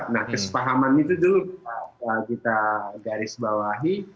nah kesepahaman itu dulu kita garis bawahi